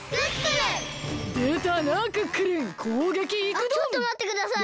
あっちょっとまってください。